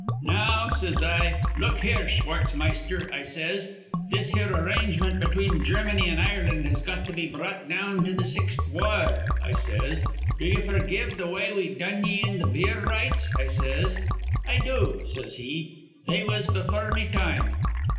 'Now,' says I, 'look here, Schwartzmeister,' I says. 'This here arrangement between Germany an' Ireland has got to be brought down to th' Sixth Wa ard,' I says. 'Do ye f'rgive th' way we done ye in th' beer rites?' I says. 'I do,' says he. 'They was befure me time.'